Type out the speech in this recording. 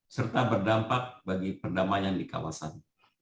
serta berdampak bagi perdamaian di kawasan